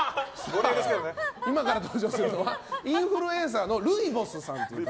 今から登場するのはインフルエンサーのルイボスさんという方。